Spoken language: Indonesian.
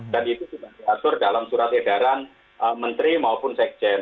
dan itu sudah diatur dalam surat edaran menteri maupun sekjen